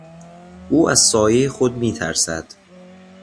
او از سایهٔ خود میترسد.